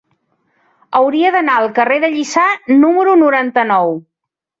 Hauria d'anar al carrer de Lliçà número noranta-nou.